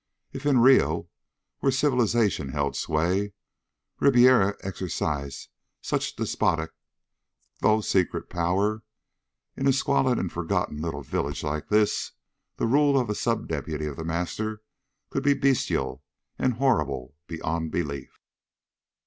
If in Rio, where civilization held sway, Ribiera exercised such despotic though secret power, in a squalid and forgotten little village like this the rule of a sub deputy of The Master could be bestial and horrible beyond belief.